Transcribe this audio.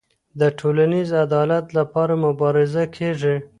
د ټولنیز عدالت لپاره مبارزه کيږي.